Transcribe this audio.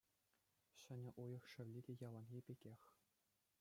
Ҫӗнӗ уйӑх шевли те яланхи пекех.